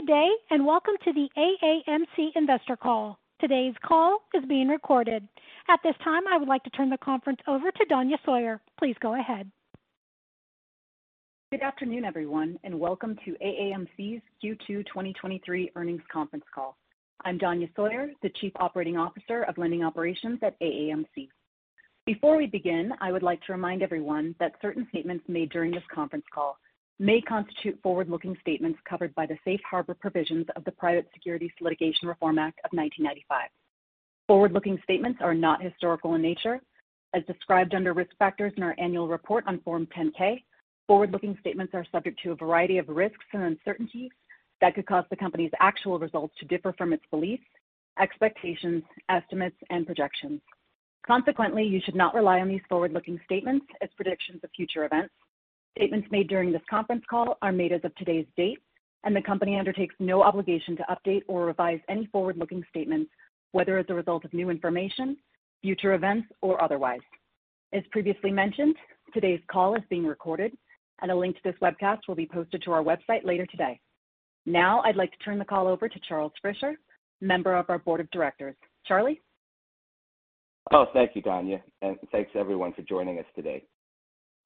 Good day, and welcome to the AAMC Investor Call. Today's call is being recorded. At this time, I would like to turn the conference over to Danya Sawyer. Please go ahead. Good afternoon, everyone, and welcome to AAMC's Q2 2023 Earnings Conference Call. I'm Danya Sawyer, the Chief Operating Officer of Lending Operations at AAMC. Before we begin, I would like to remind everyone that certain statements made during this conference call may constitute forward-looking statements covered by the Safe Harbor Provisions of the Private Securities Litigation Reform Act of 1995. Forward-looking statements are not historical in nature. As described under Risk Factors in our annual report on Form 10-K, forward-looking statements are subject to a variety of risks and uncertainties that could cause the company's actual results to differ from its beliefs, expectations, estimates, and projections. Consequently, you should not rely on these forward-looking statements as predictions of future events. Statements made during this conference call are made as of today's date, and the company undertakes no obligation to update or revise any forward-looking statements, whether as a result of new information, future events, or otherwise. As previously mentioned, today's call is being recorded, and a link to this webcast will be posted to our website later today. Now, I'd like to turn the call over to Charles Frischer, member of our board of directors. Charlie? Oh, thank you, Donya, and thanks, everyone, for joining us today.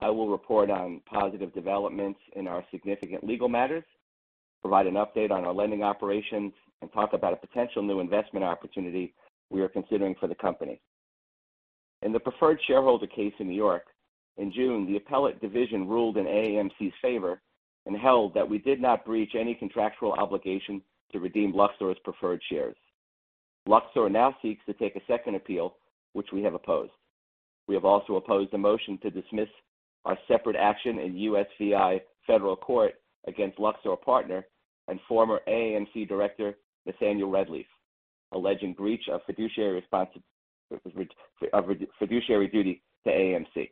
I will report on positive developments in our significant legal matters, provide an update on our lending operations, and talk about a potential new investment opportunity we are considering for the company. In the preferred shareholder case in New York, in June, the Appellate Division ruled in AAMC's favor and held that we did not breach any contractual obligation to redeem Luxor's preferred shares. Luxor now seeks to take a second appeal, which we have opposed. We have also opposed a motion to dismiss our separate action in USVI Federal Court against Luxor Partner and former AAMC director, Nathaniel Redleaf, alleging breach of fiduciary duty to AAMC.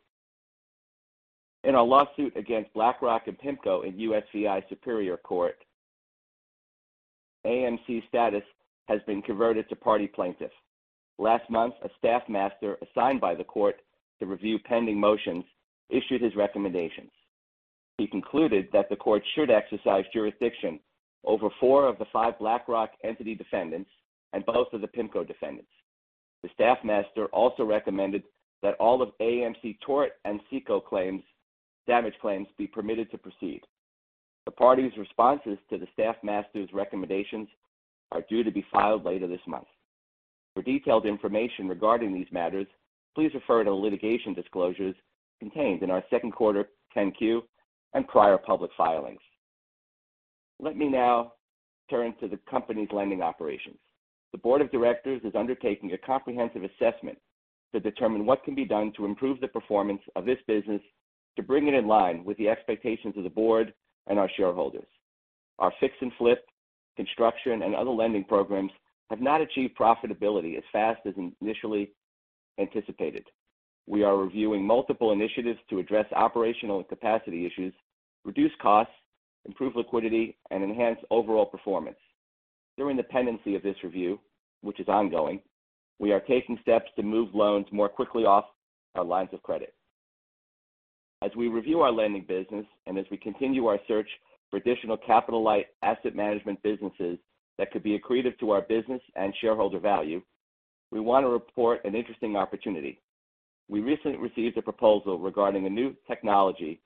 In a lawsuit against BlackRock and PIMCO in USVI Superior Court, AAMC's status has been converted to party plaintiff. Last month, a Staff Master assigned by the court to review pending motions issued his recommendations. He concluded that the court should exercise jurisdiction over four of the five BlackRock entity defendants and both of the PIMCO defendants. The Staff Master also recommended that all of AAMC tort and CECL claims, damage claims be permitted to proceed. The parties' responses to the Staff Master's recommendations are due to be filed later this month. For detailed information regarding these matters, please refer to litigation disclosures contained in our second quarter 10Q and prior public filings. Let me now turn to the company's lending operations. The board of directors is undertaking a comprehensive assessment to determine what can be done to improve the performance of this business, to bring it in line with the expectations of the board and our shareholders. Our fix and flip, construction, and other lending programs have not achieved profitability as fast as initially anticipated. We are reviewing multiple initiatives to address operational and capacity issues, reduce costs, improve liquidity, and enhance overall performance. During the pendency of this review, which is ongoing, we are taking steps to move loans more quickly off our lines of credit. As we review our lending business, and as we continue our search for additional capital-light asset management businesses that could be accretive to our business and shareholder value, we want to report an interesting opportunity. We recently received a proposal regarding a new technology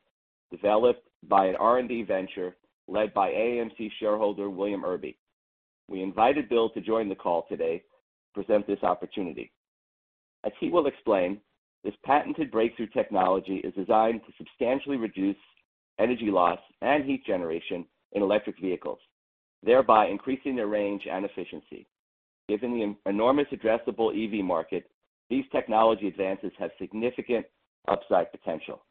developed by an R&D venture led by AAMC shareholder, William Erbey. We invited Bill to join the call today to present this opportunity. As he will explain, this patented breakthrough technology is designed to substantially reduce energy loss and heat generation in electric vehicles, thereby increasing their range and efficiency. Given the enormous addressable EV market, these technology advances have significant upside potential.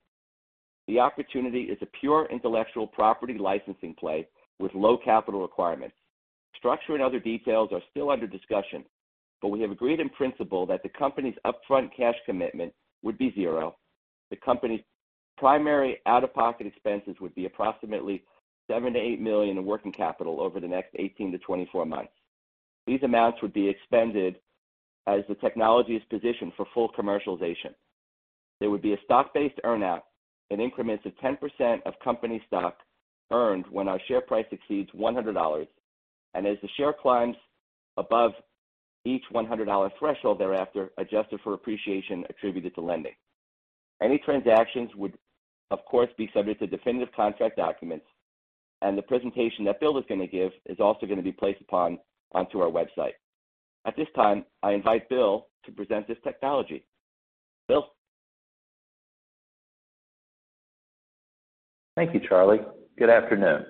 The opportunity is a pure intellectual property licensing play with low capital requirements. Structure and other details are still under discussion, but we have agreed in principle that the company's upfront cash commitment would be $0. The company's primary out-of-pocket expenses would be approximately $7 million-$8 million in working capital over the next 18-24 months. These amounts would be expended as the technology is positioned for full commercialization. There would be a stock-based earn-out in increments of 10% of company stock earned when our share price exceeds $100, and as the share climbs above each $100 threshold thereafter, adjusted for appreciation attributed to lending. Any transactions would, of course, be subject to definitive contract documents, and the presentation that Bill is going to give is also going to be placed onto our website. At this time, I invite Bill to present this technology. Bill? Thank you, Charlie. Good afternoon.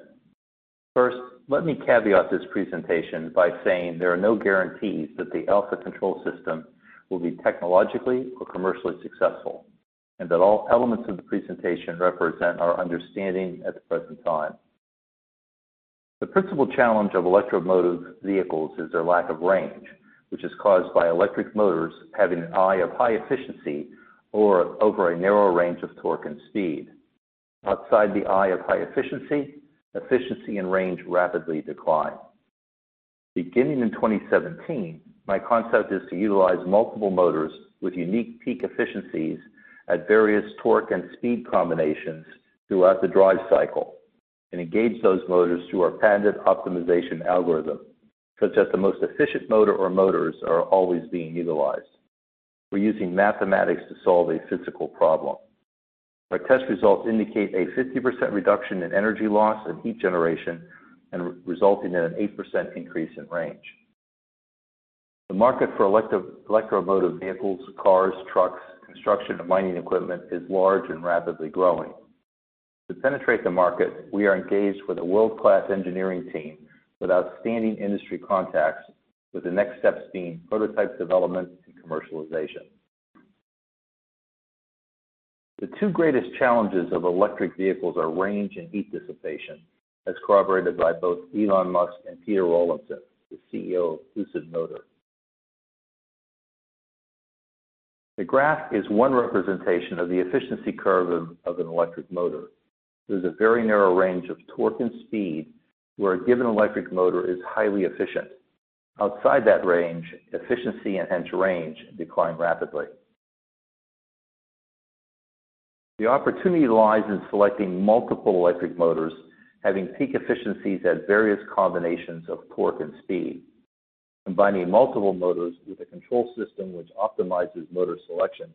First, let me caveat this presentation by saying there are no guarantees that the Alpha Controls will be technologically or commercially successful, and that all elements of the presentation represent our understanding at the present time. The principal challenge of electromotive vehicles is their lack of range, which is caused by electric motors having an eye of high efficiency or over a narrow range of torque and speed. Outside the eye of high efficiency, efficiency and range rapidly decline. Beginning in 2017, my concept is to utilize multiple motors with unique peak efficiencies at various torque and speed combinations throughout the drive cycle, and engage those motors through our patented optimization algorithm, such that the most efficient motor or motors are always being utilized. We're using mathematics to solve a physical problem. Our test results indicate a 50% reduction in energy loss and heat generation, and resulting in an 8% increase in range. The market for electromotive vehicles, cars, trucks, construction, and mining equipment is large and rapidly growing. To penetrate the market, we are engaged with a world-class engineering team with outstanding industry contacts, with the next steps being prototype development and commercialization. The two greatest challenges of electric vehicles are range and heat dissipation, as corroborated by both Elon Musk and Peter Rawlinson, the CEO of Lucid Motors. The graph is one representation of the efficiency curve of an electric motor. There's a very narrow range of torque and speed, where a given electric motor is highly efficient. Outside that range, efficiency and range decline rapidly. The opportunity lies in selecting multiple electric motors, having peak efficiencies at various combinations of torque and speed. Combining multiple motors with a control system which optimizes motor selection,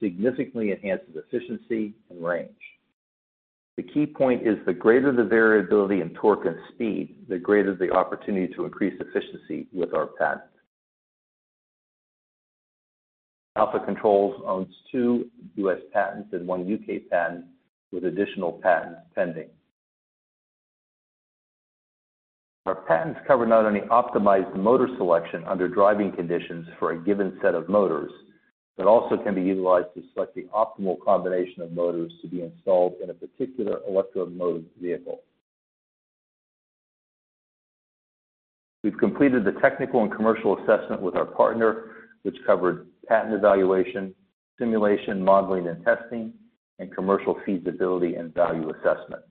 significantly enhances efficiency and range. The key point is, the greater the variability in torque and speed, the greater the opportunity to increase efficiency with our patent. Alpha Controls owns 2 U.S. patents and 1 U.K. patent, with additional patents pending. Our patents cover not only optimized motor selection under driving conditions for a given set of motors, but also can be utilized to select the optimal combination of motors to be installed in a particular electromotive vehicle. We've completed the technical and commercial assessment with our partner, which covered patent evaluation, simulation, modeling and testing, and commercial feasibility and value assessment.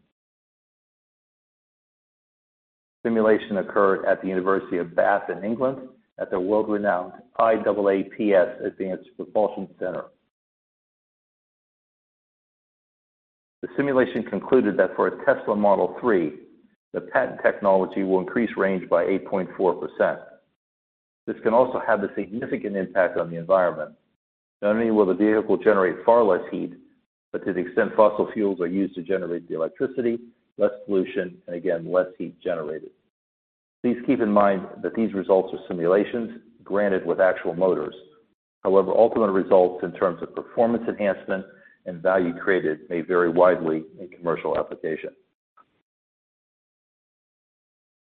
Simulation occurred at the University of Bath in England, at the world-renowned IAAPS Advanced Propulsion Center. The simulation concluded that for a Tesla Model 3, the patent technology will increase range by 8.4%. This can also have a significant impact on the environment. Not only will the vehicle generate far less heat, but to the extent fossil fuels are used to generate the electricity, less pollution, and again, less heat generated. Please keep in mind that these results are simulations granted with actual motors. However, ultimate results in terms of performance enhancement and value created may vary widely in commercial application.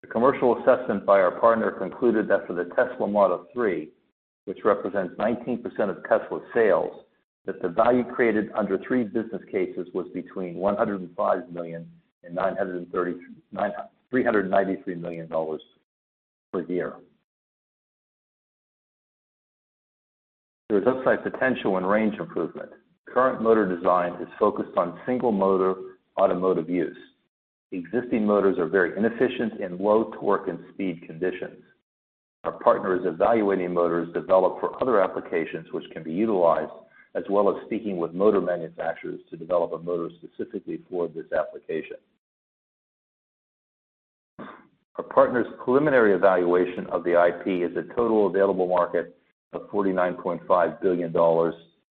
The commercial assessment by our partner concluded that for the Tesla Model three, which represents 19% of Tesla's sales, that the value created under three business cases was between $105 million and $393 million per year. There is upside potential in range improvement. Current motor design is focused on single motor automotive use. Existing motors are very inefficient in low torque and speed conditions. Our partner is evaluating motors developed for other applications which can be utilized, as well as speaking with motor manufacturers to develop a motor specifically for this application. Our partner's preliminary evaluation of the IP is a total available market of $49.5 billion,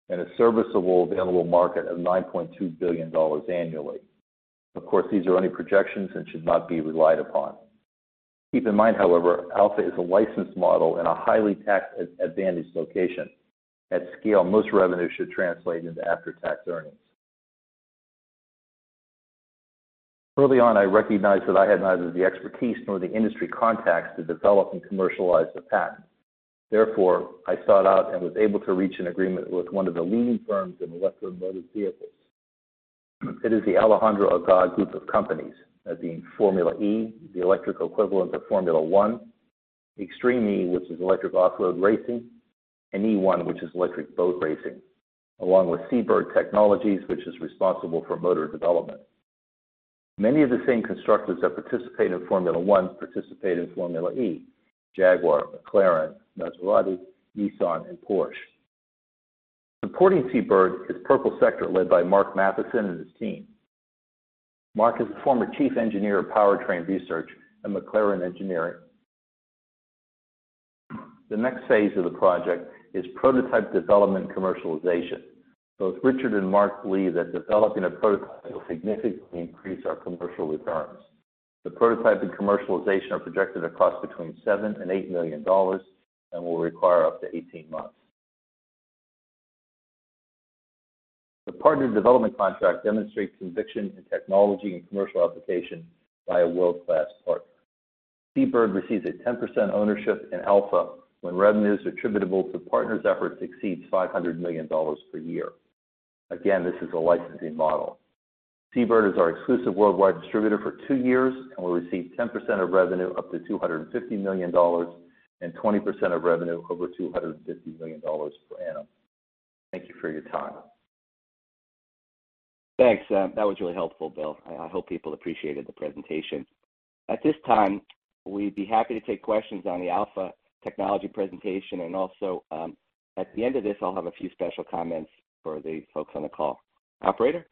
and a serviceable available market of $9.2 billion annually. These are only projections and should not be relied upon. Keep in mind, however, Alpha is a license model in a highly tax-advantaged location. At scale, most revenues should translate into after-tax earnings. Early on, I recognized that I had neither the expertise nor the industry contacts to develop and commercialize the patent. I sought out and was able to reach an agreement with one of the leading firms in electromotive vehicles. It is the Alejandro Agag Group of Companies, that being Formula E, the electrical equivalent of Formula One, Extreme E, which is electric off-road racing, and E1, which is electric boat racing, along with Seabird Technologies, which is responsible for motor development. Many of the same constructors that participate in Formula One participate in Formula E: Jaguar, McLaren, Maserati, Nissan, and Porsche. Supporting Seabird is Purple Sector, led by Mark Mathias and his team. Mark is the former chief engineer of powertrain research at McLaren Automotive. The next phase of the project is prototype development and commercialization. Both Richard and Mark believe that developing a prototype will significantly increase our commercial returns. The prototype and commercialization are projected to cost between $7 million and $8 million and will require up to 18 months. The partner development contract demonstrates conviction in technology and commercial application by a world-class partner. Seabird receives a 10% ownership in Alpha when revenues attributable to the partner's efforts exceeds $500 million per year. Again, this is a licensing model. Seabird is our exclusive worldwide distributor for two years and will receive 10% of revenue, up to $250 million, and 20% of revenue over $250 million per annum. Thank you for your time. Thanks. That was really helpful, Bill. I hope people appreciated the presentation. At this time, we'd be happy to take questions on the Alpha technology presentation, and also, at the end of this, I'll have a few special comments for the folks on the call. Operator?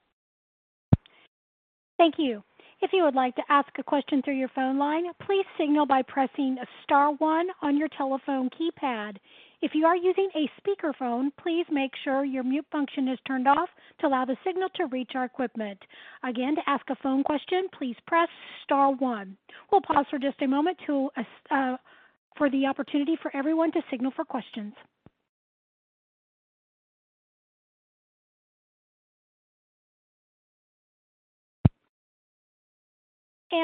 Thank you. If you would like to ask a question through your phone line, please signal by pressing star one on your telephone keypad. If you are using a speakerphone, please make sure your mute function is turned off to allow the signal to reach our equipment. Again, to ask a phone question, please press star one. We'll pause for just a moment to for the opportunity for everyone to signal for questions.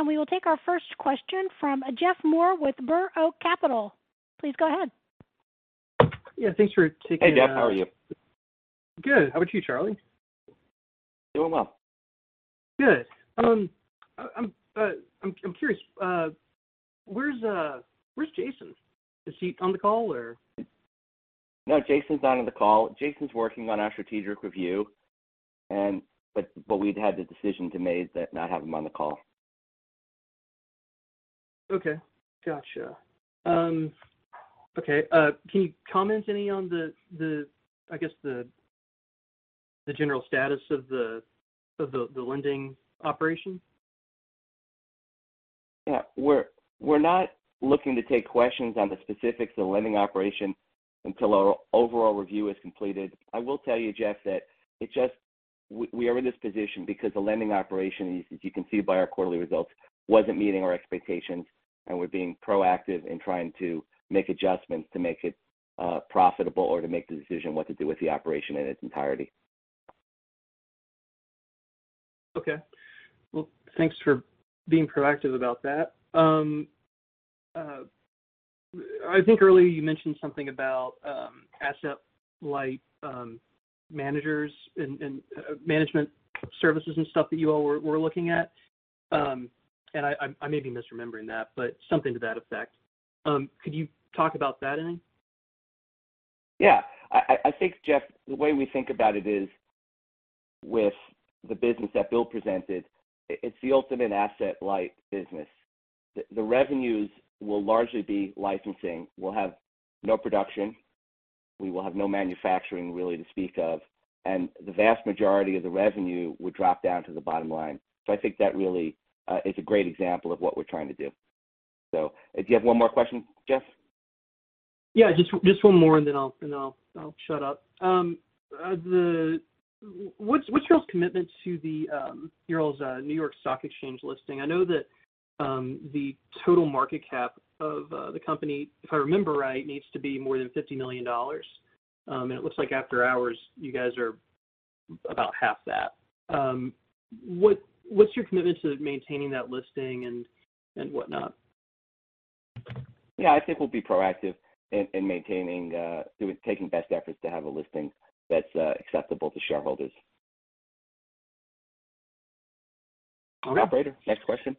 We will take our first question from Jeff Moore with Burr Oak Capital. Please go ahead. Yeah, thanks for taking-. Hey, Jeff. How are you? Good. How about you, Charlie? Doing well. Good. I, I'm, I'm, I'm curious, where's, where's Jason? Is he on the call, or? No, Jason's not on the call. Jason's working on our strategic review, but we'd had the decision to made that not have him on the call. Okay. Gotcha. Okay, can you comment any on the, the, I guess, the, the general status of the, of the, the lending operation? Yeah. We're not looking to take questions on the specifics of the lending operation until our overall review is completed. I will tell you, Jeff, that we are in this position because the lending operation, as you can see by our quarterly results, wasn't meeting our expectations, and we're being proactive in trying to make adjustments to make it profitable or to make the decision what to do with the operation in its entirety. Okay. Well, thanks for being proactive about that. I think earlier you mentioned something about asset-light managers and, and management services and stuff that you all were, were looking at. I, I, I may be misremembering that, but something to that effect. Could you talk about that any? Yeah. I, I, I think, Jeff, the way we think about it is, with the business that Bill presented, it's the ultimate asset-light business. The revenues will largely be licensing. We'll have no production, we will have no manufacturing really to speak of, the vast majority of the revenue would drop down to the bottom line. I think that really is a great example of what we're trying to do. Do you have one more question, Jeff? Yeah, just, just one more, and then I'll, and I'll, I'll shut up. What's, what's y'all's commitment to the, y'all's, New York Stock Exchange listing? I know that, the total market cap of, the company, if I remember right, needs to be more than $50 million. It looks like after hours, you guys are about $25 million. What, what's your commitment to maintaining that listing and, and whatnot? Yeah, I think we'll be proactive in, in maintaining, taking best efforts to have a listing that's acceptable to shareholders. All right. Operator, next question.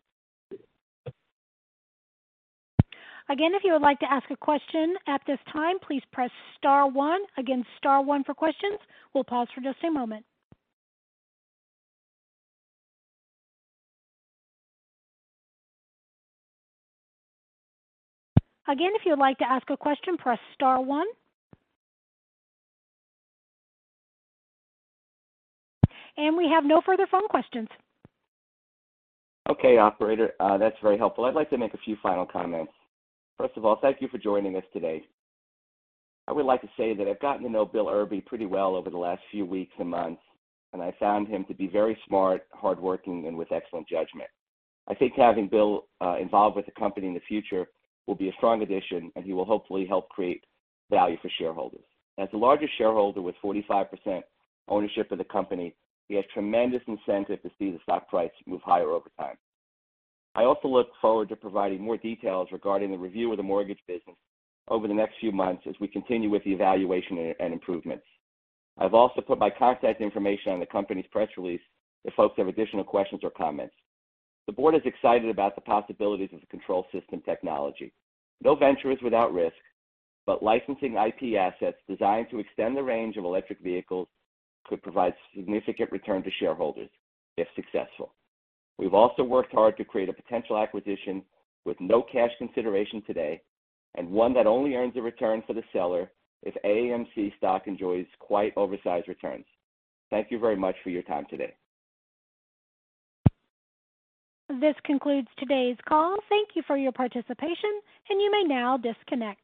Again, if you would like to ask a question at this time, please press star one. Again, star one for questions. We'll pause for just a moment. Again, if you would like to ask a question, press star one. We have no further phone questions. Okay, operator, that's very helpful. I'd like to make a few final comments. First of all, thank you for joining us today. I would like to say that I've gotten to know Bill Erbey pretty well over the last few weeks and months, and I found him to be very smart, hardworking, and with excellent judgment. I think having Bill involved with the company in the future will be a strong addition, and he will hopefully help create value for shareholders. As the largest shareholder with 45% ownership of the company, we have tremendous incentive to see the stock price move higher over time. I also look forward to providing more details regarding the review of the mortgage business over the next few months as we continue with the evaluation and improvements. I've also put my contact information on the company's press release if folks have additional questions or comments. The board is excited about the possibilities of the control system technology. No venture is without risk, but licensing IP assets designed to extend the range of electric vehicles could provide significant return to shareholders if successful. We've also worked hard to create a potential acquisition with no cash consideration today, and one that only earns a return for the seller if AAMC stock enjoys quite oversized returns. Thank you very much for your time today. This concludes today's call. Thank you for your participation. You may now disconnect.